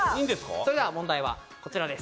それでは問題はこちらです。